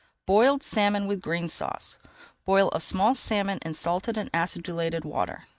BOILED SALMON WITH GREEN SAUCE Boil a small salmon in salted and acidulated water.